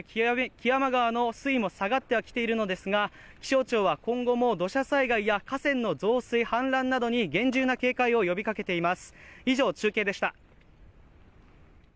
現在雨は少し弱まってきて山側の水位も下がってはきているのですが、気象庁は今後も土砂災害や河川の増水氾濫などに厳重な警戒を呼びかけています。